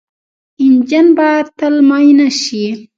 انجن باید تل معاینه شي.